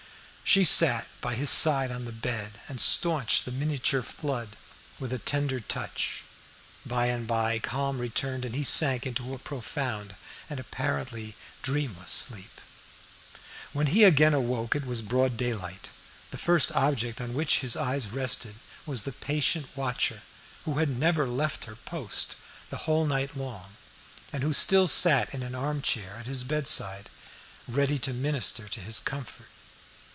She sat by his side on the bed, and staunched the miniature flood with a tender touch. By and by calm returned, and he sank into a profound and apparently dreamless sleep. When he again awoke it was broad daylight. The first object on which his eyes rested was the patient watcher who had never left her post the whole night long, and who still sat in an armchair at his bedside, ready to minister to his comfort.